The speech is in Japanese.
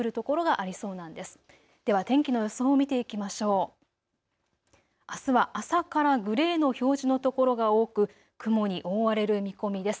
あすは朝からグレーの表示の所が多く雲に覆われる見込みです。